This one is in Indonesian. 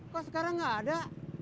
kok sekarang gak ada